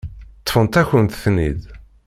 Ṭṭfent-akent-ten-id.